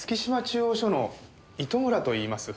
中央署の糸村といいます。